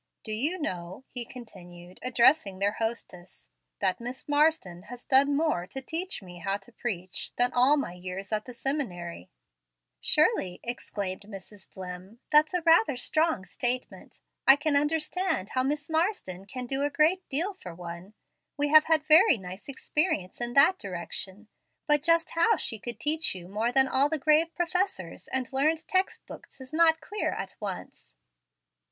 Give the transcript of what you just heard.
"Do you know," he continued, addressing their hostess, "that Miss Marsden has done more to teach me how to preach than all my years at the seminary?" "Surely," exclaimed Mrs. Dlimm, "that's a rather strong statement. I can understand how Miss Marsden can do a great deal for one. We have had very nice experience in that direction; but just how she should teach you more than all the grave professors and learned text books is not clear at once."